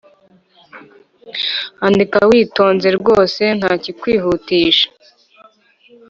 Andika witonze rwose ntakikwihutisha